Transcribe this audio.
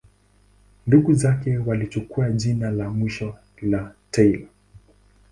Ndugu zake walichukua jina la mwisho la Taylor.